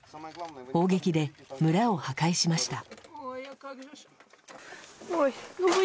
砲撃で村を破壊しました。